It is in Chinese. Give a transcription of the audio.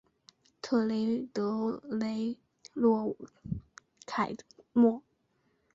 特雷德雷洛凯莫。